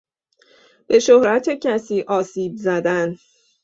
به شهرت کسی آسیب زدن